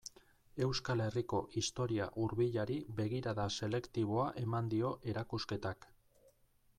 Euskal Herriko historia hurbilari begirada selektiboa eman dio erakusketak.